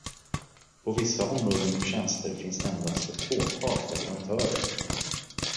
På vissa områden och tjänster finns endast ett fåtal leverantörer.